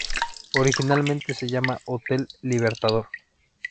Originalmente se llamó Hotel Libertador.